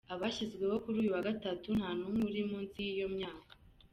Abashyizweho kuri uyu wa Gatatu nta n’umwe uri munsi y’iyo myaka.